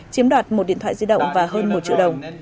chiếm đoạt một điện thoại di động và hơn một triệu đồng